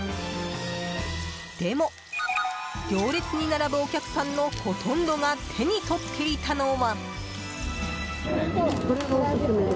でも、行列に並ぶお客さんのほとんどが手に取っていたのは。